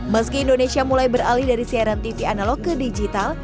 meski indonesia mulai beralih dari siaran tv analog ke digital